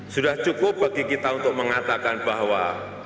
sudah cukup bagi kita untuk mengatakan bahwa